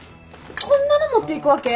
こんなの持っていくわけ？